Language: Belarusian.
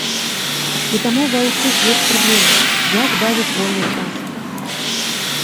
І таму ва ўсіх ёсць праблема, як бавіць вольны час.